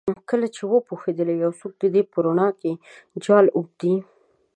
کله چې وپوهیدل یو څوک د دې په روڼا کې جال اوبدي